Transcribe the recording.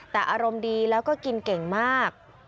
แต่อารมณ์ดีแล้วก็กินเก่งมาก